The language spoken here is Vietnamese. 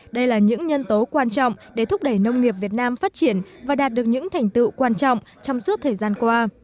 đây là những nhân tố quan trọng để thúc đẩy nông nghiệp việt nam phát triển và đạt được những thành tựu quan trọng trong suốt thời gian qua